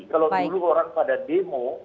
kalau dulu orang pada demo